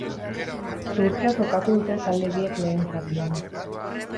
Zuhurtziaz jokatu dute talde biek lehen zatian.